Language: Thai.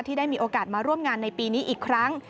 ได้มีโอกาสมาร่วมงานในปีนี้อีกครั้ง